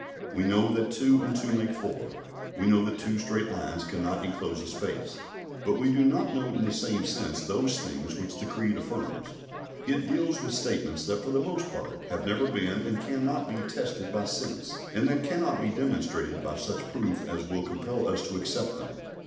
We know that two and two make four, we know that two straight lines cannot enclose a space; but we do not know in the same sense those things which the Creed affirms. It deals with statements that, for the most part, have never been, and cannot be, tested by sense, and that cannot be demonstrated by such proof as will compel us to accept them.